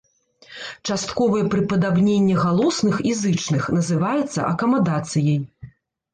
Частковае прыпадабненне галосных і зычных называецца акамадацыяй.